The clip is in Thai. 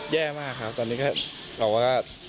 แย่มากครับตอนนี้ก็เราก็